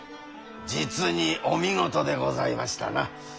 実にお見事でございましたな。